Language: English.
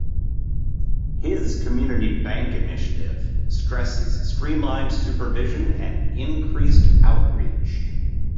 His community bank initiative stresses streamlined supervision and increased outreach.